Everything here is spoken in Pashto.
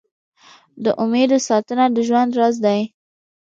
د امېدو ساتنه د ژوند راز دی.